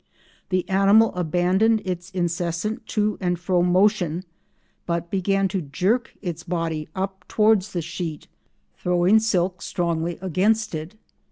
The animal abandoned its incessant to and fro motion but began to jerk its body up towards the sheet, throwing silk strongly against it.